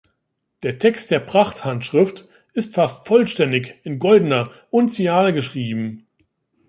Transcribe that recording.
Der Text der Prachthandschrift ist fast vollständig in goldener Unziale geschrieben.